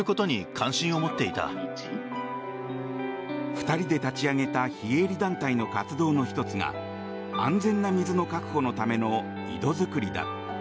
２人で立ち上げた非営利団体の活動の１つが安全な水の確保のための井戸作りだ。